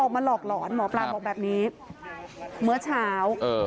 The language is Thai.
มาหลอกหลอนหมอปลาบอกแบบนี้เมื่อเช้า